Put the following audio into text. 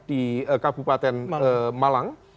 di kabupaten malang